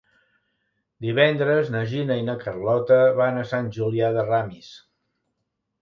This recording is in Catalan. Divendres na Gina i na Carlota van a Sant Julià de Ramis.